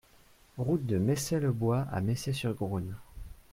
Route de Messey-le-Bois à Messey-sur-Grosne